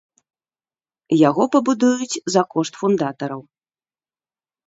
Яго пабудуюць за кошт фундатараў.